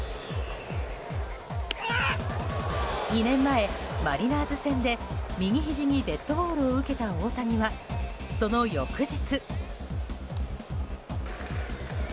２年前、マリナーズ戦で右ひじにデッドボールを受けた大谷は、その翌日。